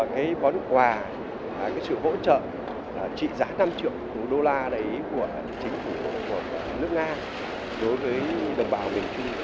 cái bón quà cái sự vỗ trợ trị giá năm triệu đô la đấy của chính phủ của nước nga đối với đồng bào bình chủ